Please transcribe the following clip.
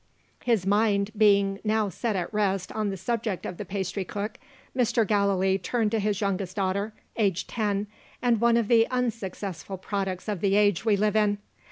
His mind being now set at rest on the subject of the pastry cook, Mr. Gallilee turned to his youngest daughter aged ten, and one of the unsuccessful products of the age we live in.